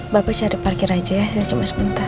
bapak cari parkir aja saya cuma sebentar